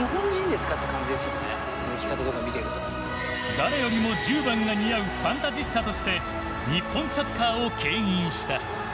誰よりも１０番が似合うファンタジスタとして日本サッカーをけん引した。